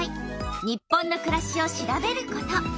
「日本のくらし」を調べること。